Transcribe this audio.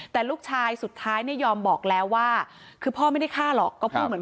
ทั้งลูกสาวลูกชายก็ไปทำพิธีจุดทูป